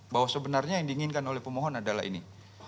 bahwa sebenarnya yang diinginkan oleh pemohon adalah ini